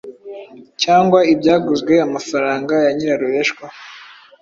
cyangwa ibyaguzwe amafaranga ya nyirarureshwa